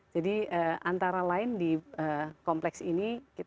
jadi antara lain di kompleks ini